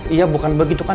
iya bukan begitu kan